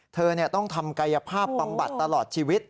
เธอต้องทำกายภาพบำบัดตลอดชีวิต